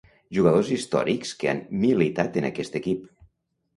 Jugadors històrics que han militat en aquest equip.